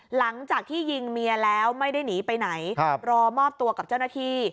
หลังจากที่ยิงเมียแล้วไม่ได้หนีไปไหนรอมอบตัวกับเจ้าหน้าที่